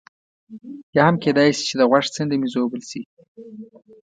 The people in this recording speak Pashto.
یا هم کېدای شي چې د غوږ څنډه مې ژوبل شي.